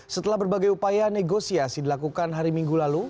setelah berbagai upaya negosiasi dilakukan hari minggu lalu